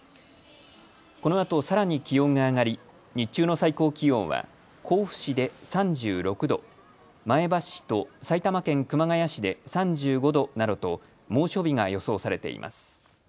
このあとさらに気温が上がり日中の最高気温は甲府市で３６度、前橋市と埼玉県熊谷市で３５度などと猛暑日が予想されています。